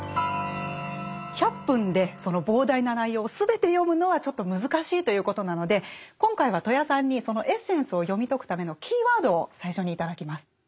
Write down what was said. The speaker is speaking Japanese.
１００分でその膨大な内容を全て読むのはちょっと難しいということなので今回は戸谷さんにそのエッセンスを読み解くためのキーワードを最初に頂きます。